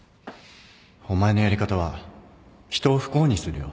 お前のやり方は人を不幸にするよ